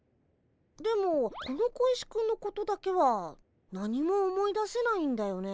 でもこの小石くんのことだけは何も思い出せないんだよね。